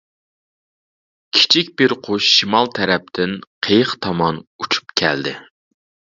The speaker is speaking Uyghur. كىچىك بىر قۇش شىمال تەرەپتىن قېيىق تامان ئۇچۇپ كەلدى.